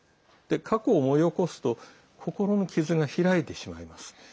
過去を思い起こすと心の傷が開いてしまいます。